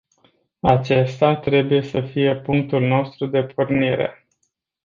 Acesta trebuie să fie punctul nostru de pornire.